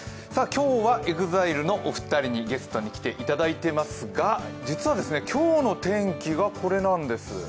今日はＥＸＩＬＥのお二人にゲストに来ていただいていますが実は今日の天気がこれなんです。